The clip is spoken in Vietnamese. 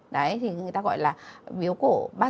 đấy thì người ta gọi là biểu cổ basdo